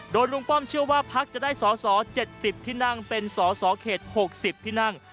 โดยลุงป้อมเชื่อว่าพักจะได้สอสอ๗๐ที่นั่งเป็นสอสอเขต๖๐ที่นั่ง